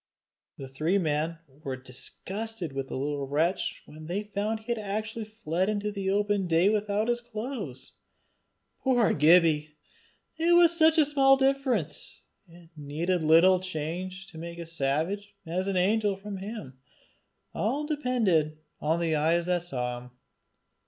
The three men were disgusted with the little wretch when they found that he had actually fled into the open day without his clothes. Poor Gibbie! it was such a small difference! It needed as little change to make a savage as an angel of him. All depended on the eyes that saw him.